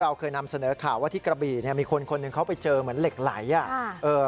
เราเคยนำเสนอข่าวว่าที่กระบี่เนี่ยมีคนคนหนึ่งเขาไปเจอเหมือนเหล็กไหลอ่ะ